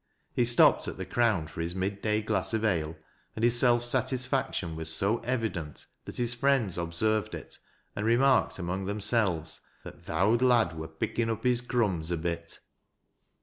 He stopped at The Crown for his midday glass of ale ; and his self satisfaction was so evident that his friends observed it, and remarked among themselves that " th' owd lad wur pickin' up his crumbs a bit."